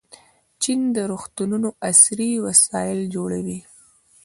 چین د روغتونونو عصري وسایل جوړوي.